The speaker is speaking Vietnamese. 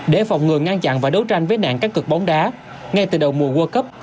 để phòng ngừa ngăn chặn và đấu tranh với nạn các cực bóng đá ngay từ đầu mùa world cấp